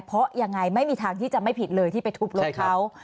เพราะยังไงไม่มีทางที่จะไม่ผิดเลยที่ไปทุบรถเขา